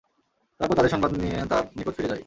তারপর তাদের সংবাদ নিয়ে তাঁর নিকট ফিরে যাই।